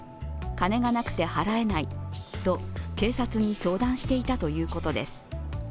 金がなくて払えないと警察に相談していたということです。